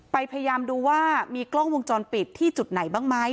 พยายามดูว่ามีกล้องวงจรปิดที่จุดไหนบ้างไหม